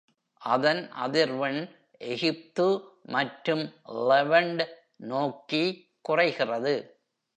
அதன் அதிர்வெண் எகிப்து மற்றும் லெவண்ட் நோக்கி குறைகிறது.